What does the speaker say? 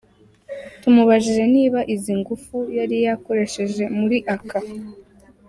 Tumubajije niba izi ngufu yari yakoresheje muri aka.